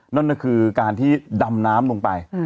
นั่นก็คือการที่ดำน้ำลงไป